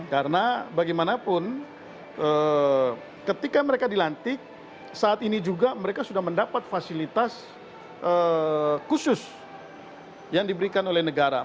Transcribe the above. karena bagi mana pun ketika mereka dilantik saat ini juga mereka sudah mendapat fasilitas khusus yang diberikan oleh negara